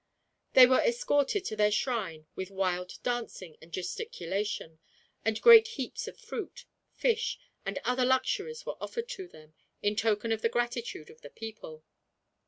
They were escorted to their shrine with wild dancing and gesticulation, and great heaps of fruit, fish, and other luxuries were offered to them, in token of the gratitude of the people.